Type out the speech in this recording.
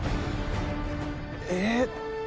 えっ！